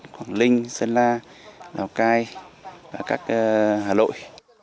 quảng linh sơn la lào cai và các hà lội